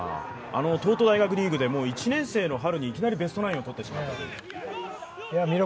東都大学リーグで１年生のときにいきなりベストナインを取ってしまったと。